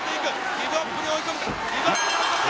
ギブアップに追い込んだ！